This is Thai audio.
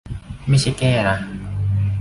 ไม่ใช่แก้นะ